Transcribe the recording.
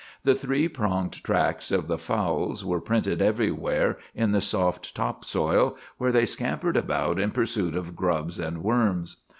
The three pronged tracks of the fowls were printed everywhere in the soft top soil, where they scampered about in pursuit of grubs and worms.